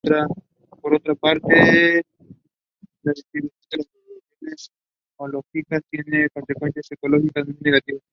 Por otra parte, la destrucción de las asociaciones halófitas tienen consecuencias ecológicas muy negativas.